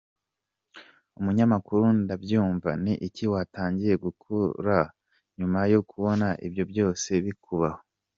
Umunyamakuru: Ndabyumva; ni iki watangiye gukora nyuma yo kubona ibyo byose bikubaho?.